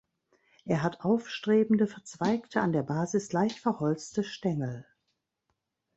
Er hat aufstrebende, verzweigte, an der Basis leicht verholzte Stängel.